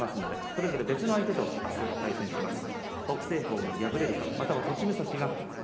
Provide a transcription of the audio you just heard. それぞれ別の相手と明日、対戦します。